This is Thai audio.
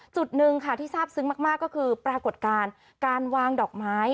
จุดหนึ่งค่ะที่ทราบซึ้งมากก็คือปรากฏการณ์การวางดอกไม้